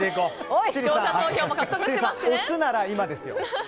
推すなら今ですよ。